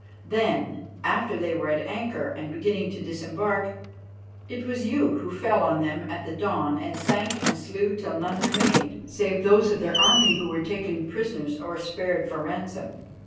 Then, after they were at anchor and beginning to disembark, it was you who fell on them at the dawn and sank and slew till none remained save those of their army who were taken prisoners or spared for ransom.